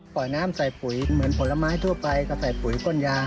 น้ำใส่ปุ๋ยเหมือนผลไม้ทั่วไปก็ใส่ปุ๋ยก้นยาง